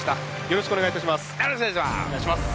よろしくお願いします！